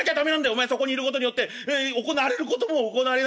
お前がそこにいることによって行われることも行われないんだから。